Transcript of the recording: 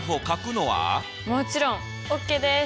もちろんＯＫです。